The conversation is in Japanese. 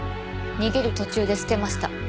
逃げる途中で捨てました。